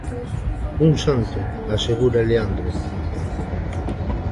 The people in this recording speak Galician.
Un santo, asegura Leandro.